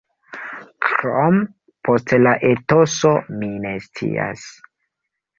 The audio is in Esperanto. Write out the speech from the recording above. Krom pro la etoso, mi ne scias.